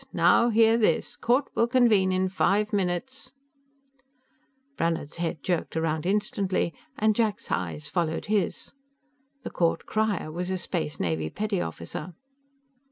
Now hear this! Court will convene in five minutes " Brannhard's head jerked around instantly, and Jack's eyes followed his. The court crier was a Space Navy petty officer.